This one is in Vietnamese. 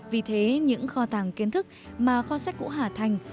vì thế những kho tàng kiến thức mà kho sách cũ hạ thành